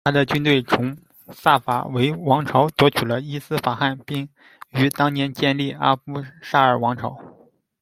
他的军队从萨法维王朝夺取了伊斯法罕，并于当年建立了阿夫沙尔王朝。